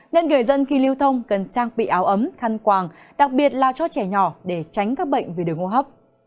nên người dân khi lưu thông cần trang bị áo ấm khăn quàng đặc biệt là cho trẻ nhỏ để tránh các bệnh về đường hô hấp